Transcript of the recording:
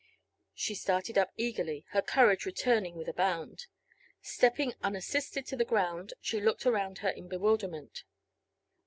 She started up eagerly, her courage returning with a bound. Stepping unassisted to the ground she looked around her in bewilderment.